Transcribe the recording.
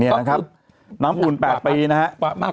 นี่นะครับน้ำอุ่น๘ปีนะฮะ